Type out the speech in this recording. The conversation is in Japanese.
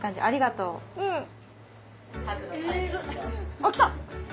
あっ来た！